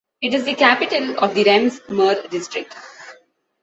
It is the capital of the Rems-Murr district.